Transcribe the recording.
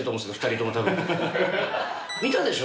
見たでしょ？